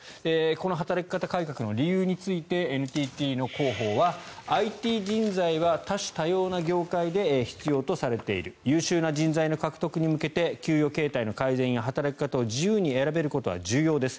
この働き方改革の理由についてＮＴＴの広報はＩＴ人材は多種多様な業界で必要とされている優秀な人材の獲得に向けて給与形態の改善や働き方を自由に選べることは重要です。